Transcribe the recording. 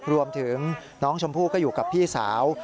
รวมถึงน้องชมพู่ก็อยู่กับพี่สาว